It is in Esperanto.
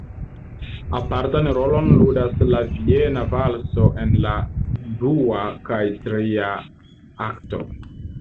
Apartan rolon ludas la viena valso en la dua kaj tria akto.